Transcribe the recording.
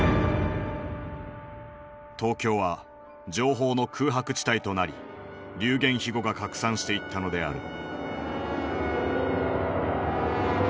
東京は「情報の空白地帯」となり流言飛語が拡散していったのである。